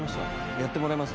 やってもらいます？